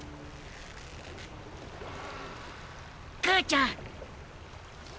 母ちゃん。